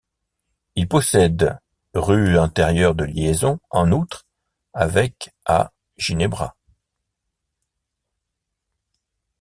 Il possède rues intérieures de liaison en outre avec à Ginebra.